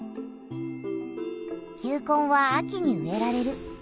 球根は秋に植えられる。